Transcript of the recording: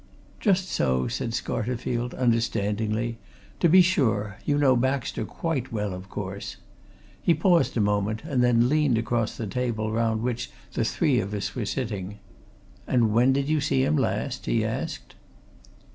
"Just so," said Scarterfield, understandingly. "To be sure! You know Baxter quite well, of course." He paused a moment, and then leant across the table round which the three of us were sitting. "And when did you see him last?" he asked.